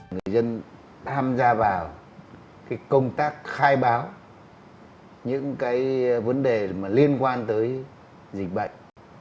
người dân tham gia vào công tác khai báo những cái vấn đề mà liên quan tới dịch bệnh